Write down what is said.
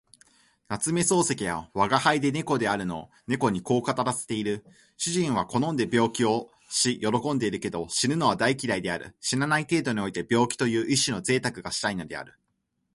夏目漱石は吾輩は猫であるの猫にこう語らせている。主人は好んで病気をし喜んでいるけど、死ぬのは大嫌いである。死なない程度において病気という一種の贅沢がしたいのである。